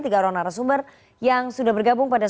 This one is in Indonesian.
tiga orang narasumber yang sudah bergabung pada